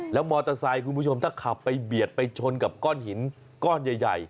แล้วมอเตอร์ไซค์คุณผู้ชมถ้าขับไปเบียดไปชนกับก้อนหินก้อนใหญ่